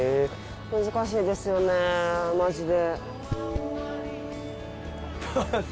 難しいですよねマジで。